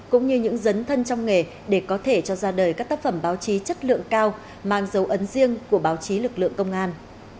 cũng như những dấn thân trong nghề để có thể cho ra đời các tác phẩm báo chí chất lượng cao mang dấu ấn riêng của báo chí lực lượng công an